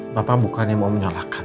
bapak bukannya mau menyalahkan